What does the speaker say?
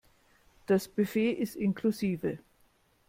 Das Buffet ist inklusive.